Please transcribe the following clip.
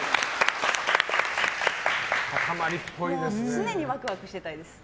常にワクワクしてたいです。